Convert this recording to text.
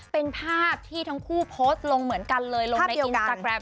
เป็นภาพที่ทั้งคู่โพสต์ลงเหมือนกันเลยลงในอินสตาแกรม